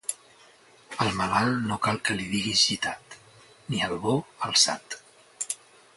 Al malalt no cal que li digues gitat, ni al bo, alçat.